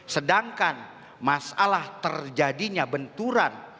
sedangkan masalah terjadinya benturan